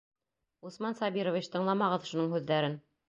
Усман Сабирович, тыңламағыҙ шуның һүҙҙәрен.